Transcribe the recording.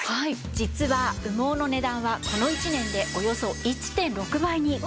実は羽毛の値段はこの一年でおよそ１．６倍に高騰しています。